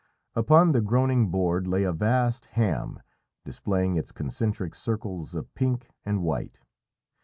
Upon the groaning board lay a vast ham, displaying its concentric circles of pink and white.